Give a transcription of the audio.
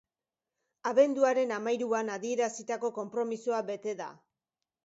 Abenduaren hamahiruan adierazitako konpromisoa bete da.